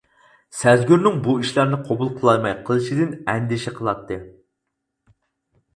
سەزگۈرنىڭ بۇ ئىشلارنى قوبۇل قىلالماي قىلىشىدىن ئەندىشە قىلاتتى.